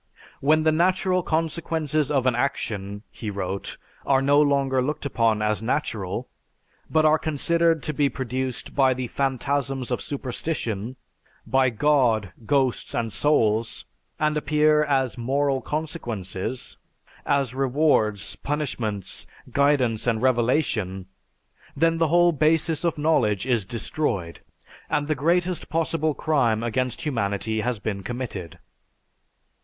"When the natural consequences of an action," he wrote, "are no longer looked upon as natural, but are considered to be produced by the phantasms of superstition, by 'God,' 'Ghosts,' and 'Souls,' and appear as 'moral' consequences, as rewards, punishments, guidance and revelation, then the whole basis of knowledge is destroyed; and the greatest possible crime against humanity has been committed."